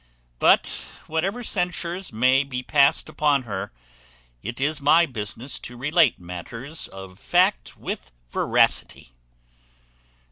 But, whatever censures may be passed upon her, it is my business to relate matters of fact with veracity.